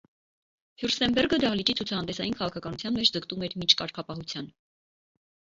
Ֆյուրստենբերգը դահլիճի ցուցահանդեսային քաղաքականության մեջ ձգտում էր միջկարգապահության։